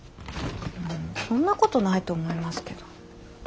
うんそんなことないと思いますけど。